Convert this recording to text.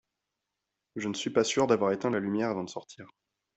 Je ne suis pas sûr d'avoir éteint la lumière avant de sortir.